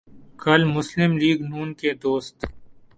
کل مسلم لیگ ن کے دوست